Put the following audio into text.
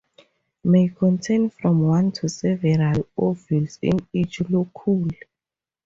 May contain from one to several ovules in each locule.